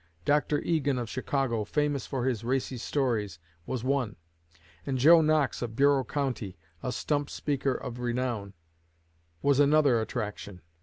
Dr. Egan of Chicago, famous for his racy stories, was one; and Joe Knox of Bureau County, a stump speaker of renown, was another attraction.